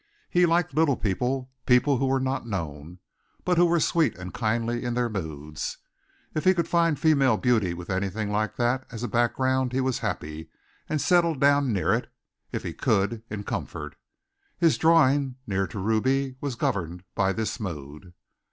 He liked little people people who were not known, but who were sweet and kindly in their moods. If he could find female beauty with anything like that as a background he was happy and settled down near it, if he could, in comfort. His drawing near to Ruby was governed by this mood.